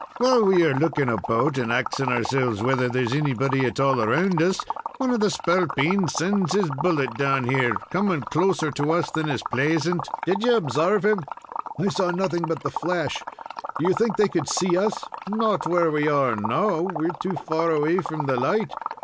While we are looking about, and axing ourselves whether there's anybody else at all around us, one of the spalpeens sinds his bullet down here, coming closer to us than is plaisant. Did ye obsarve him?" "I saw nothing but the flash. Do you think they could see us?" "Not where we are now. We're too far away from the light.